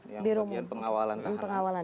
yang bagian pengawalan